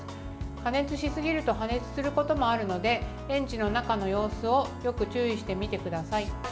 過熱しすぎると破裂することもあるのでレンジの中の様子をよく注意して見てください。